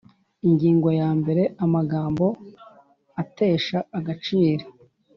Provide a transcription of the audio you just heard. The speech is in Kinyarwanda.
Ingingo ya mbere Amagambo atesha agaciro